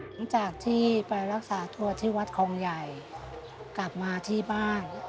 หลังจากที่ไปรักษาตัวที่วัดคลองใหญ่กลับมาที่บ้าน